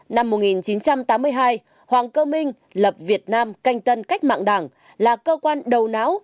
năm một nghìn chín trăm tám mươi hai hoàng cơ minh lập việt nam canh tân cách mạng đảng là cơ quan đầu não